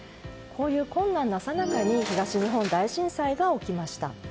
困難のさなかに東日本大震災が起きました。